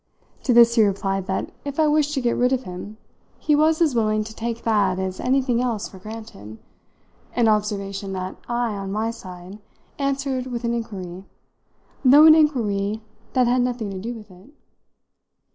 To this he replied that if I wished to get rid of him he was as willing to take that as anything else for granted an observation that I, on my side, answered with an inquiry, though an inquiry that had nothing to do with it.